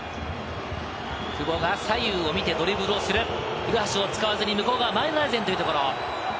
久保が左右を見て、ドリブルをする古橋を使わずに向こう側、前田大然というところ。